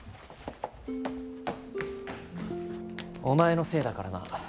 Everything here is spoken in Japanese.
お前のせいだからな。